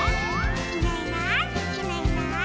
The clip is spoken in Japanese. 「いないいないいないいない」